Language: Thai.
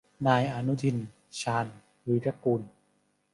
นายอนุทิน ชาญวีรกูล